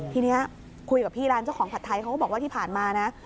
ทีนี้คุยกับพี่ร้านเจ้าของผัดไทยเขาก็บอกว่าที่ผ่านมานะ